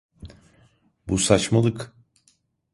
Bu saçmalık!